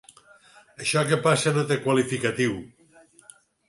Això que passa no té qualificatiu.